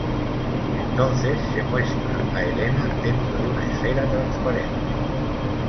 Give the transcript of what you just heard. Entonces se muestra a Elena dentro de una esfera transparente.